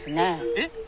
えっ？